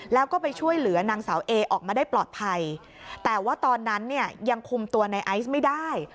แล้วก็ไปช่วยเหลือนางสาวเอออกมาได้ปลอดภัยแต่ว่าตอนนั้นเนี่ยยังคุมตัวในไอซ์ไม่ได้